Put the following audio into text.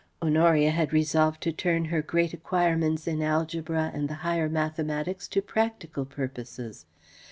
] Honoria had resolved to turn her great acquirements in Algebra and the Higher Mathematics to practical purposes.